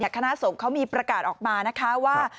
คณะสงฆ์เขามีประกาศออกมานะคะว่า